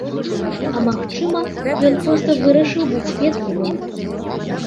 А магчыма, ён проста вырашыў быць ветлівым.